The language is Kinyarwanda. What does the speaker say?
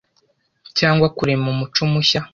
cyangwa kurema umuco mushya